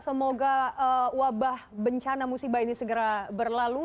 semoga wabah bencana musibah ini segera berlalu